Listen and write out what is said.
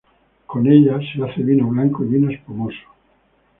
Con ella se hace vino blanco y vino espumoso.